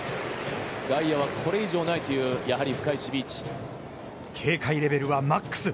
外野は、これ以上ないという、やはり深い守備位置警戒レベルはマックス。